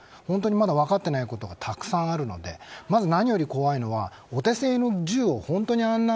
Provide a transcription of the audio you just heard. まだ分かっていないことがたくさんあるのでまず何より怖いのはお手製の銃を、本当にあんな